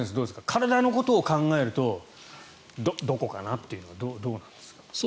体のことを考えるとどこかなというのはどうなんですか。